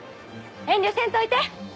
遠慮せんといて。